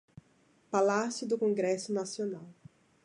Palácio do Congresso Nacional